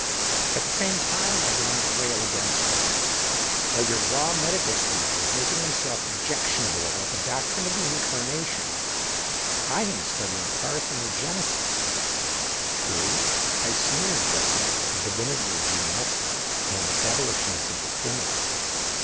At the same time, I do not rail against religion. While your raw medical student is making himself objectionable about the doc trine of the Incarnation, I am studying par thenogenesis. True, I sneered just now at the divinity of genius and the devilishness of the criminal.